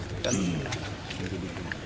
setelah itu naik ke rumah kus